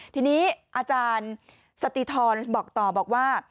ทีนี้อาจารย์สติธรบอกต่อบอกว่า